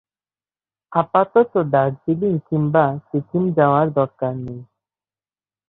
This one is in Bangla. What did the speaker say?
আপাতত দার্জিলিং কিংবা সিকিম যাবার দরকার নেই।